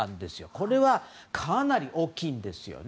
これはかなり大きいです。